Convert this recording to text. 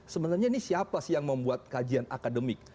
sebenarnya ini siapa sih yang membuat kajian akademik